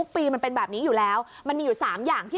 ปีมันเป็นแบบนี้อยู่แล้วมันมีอยู่๓อย่างที่